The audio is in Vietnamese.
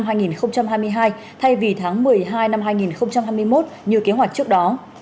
và vào đầu tháng một mươi hai năm hai nghìn hai mươi một như kế hoạch trước đó